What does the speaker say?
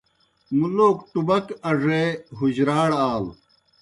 مُلوک ٹُبَک اڙے حُجراڑ آلوْ۔